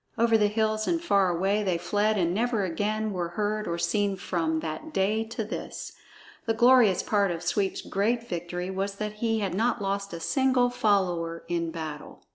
Over the hills and far away they fled and never again were heard or seen from that day to this. The glorious part of Sweep's great victory was that he had not lost a single follower in battle!